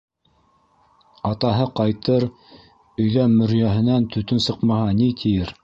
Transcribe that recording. Атаһы ҡайтыр, өйҙә мөрйәһенән төтөн сыҡмаһа, ни тиер?